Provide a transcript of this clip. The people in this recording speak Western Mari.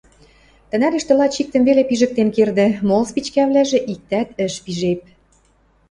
Тӹнӓрӹштӹ лач иктӹм веле пижӹктен кердӹ, мол спичкӓвлӓжӹ иктӓт ӹш пижеп.